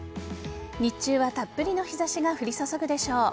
日中はたっぷりの日差しが降り注ぐでしょう。